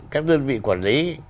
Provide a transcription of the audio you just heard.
các đơn vị quản lý